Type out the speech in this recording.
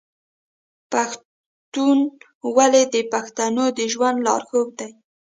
پښتونولي د پښتنو د ژوند لارښود دی.